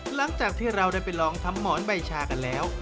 หลังจากที่เราได้ไปลองทำหมอนใบชากันแล้ว